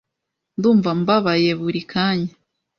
Ndumva mbabaye buri kanya.